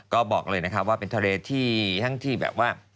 ก็บอกเลยนะครับว่าเป็นทะเลที่ทั้งที่แบบว่า